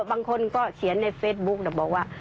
บางคนก็เขียนในเฟซบุ๊กบอกว่า